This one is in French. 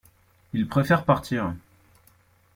Il préfère partir.